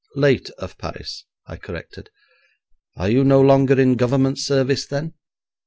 'Late of Paris,' I corrected. 'Are you no longer in Government service then?'